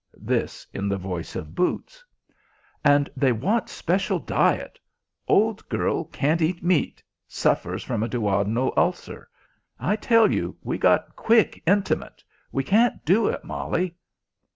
This in the voice of boots. "And they want special diet. Old girl can't eat meat. Suffers from a duodenal ulcer. I tell you, we got quick intimate! We can't do it, Molly."